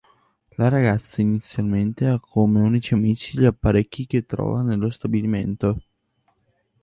La ragazza inizialmente ha come unici amici gli apparecchi che trova nello stabilimento.